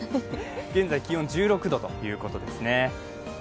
現在気温１６度ということですね。